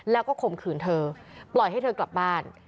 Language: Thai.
แล้วก็ข่มขืนเธอปล่อยให้เธอกลับบ้าน